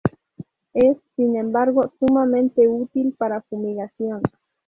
Es, sin embargo, sumamente útil para fumigación.